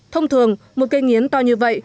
thông thường một cây nghiến to như vậy